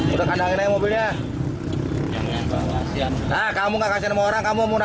sudah kandangin aja mobilnya